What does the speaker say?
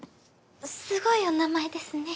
すごいお名前ですね。